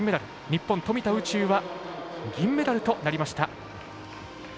日本、富田宇宙は銀メダルとなりました。